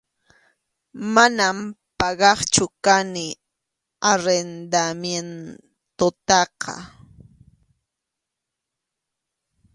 Manam pagaqchu kani arrendamientotaqa.